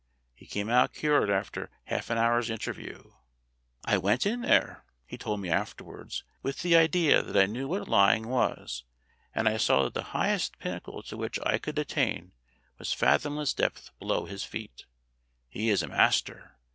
He came out cured after half an hour's interview. "I went in there," he told me afterwards, "with the idea that I knew what lying was, and I saw that the highest pinnacle to which I could attain was fathomless depth below his feet He is a master.